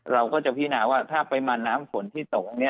เราก็จะพินาว่าถ้าปริมาณน้ำฝนที่ตก